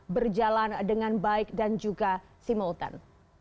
berjalan dengan baik dan juga simultan